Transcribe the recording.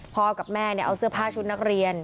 กับแม่เอาเสื้อผ้าชุดนักเรียน